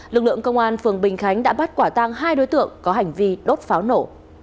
lực lượng công an phường bình khánh đã bắt quả tăng hai đối tượng có hành vi đốt pháo nổ